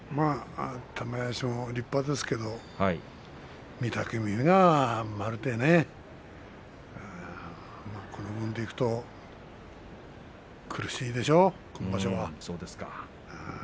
立派ですけど御嶽海がねこの分でいくと苦しいでしょう、今場所は。